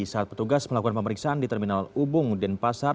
saat petugas melakukan pemeriksaan di terminal ubung denpasar